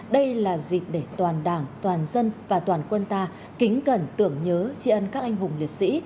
đây là dịp để toàn đảng toàn dân và toàn quân ta kính cẩn tưởng nhớ tri ân các anh hùng liệt sĩ